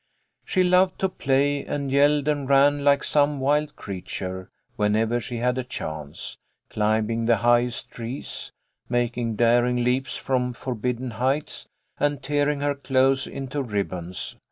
She loved to play, and yelled and ran like some wild creature, whenever she had a chance, climbing the highest trees, making daring leaps from forbidden heights, and tearing her clothes into ribbons.